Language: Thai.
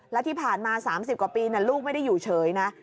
และที่ผ่านมา๓๐กว่าปีลูกไม่ได้อยู่เฉยนะ